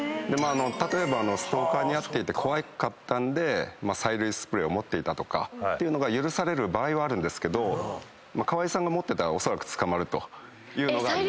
例えばストーカーに遭っていて怖かったんで催涙スプレーを持っていたとかっていうのが許される場合はあるんですけど川合さんが持ってたらおそらく捕まるというのがあります。